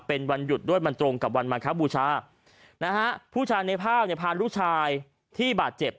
เป็นวันหยุดด้วยมันตรงกับวันมาครับบูชานะฮะผู้ชายในภาพเนี่ยพาลูกชายที่บาดเจ็บ